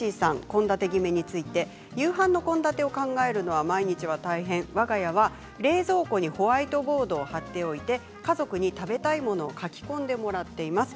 献立ぎめについて夕飯の献立を考えるのは毎日が大変わが家は冷蔵庫にホワイトボードを貼っておいて家族に食べたいものを書き込んでもらっています。